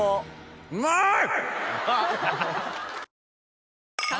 うまい！